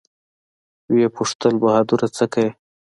ويې پوښتل بهادره سه کې.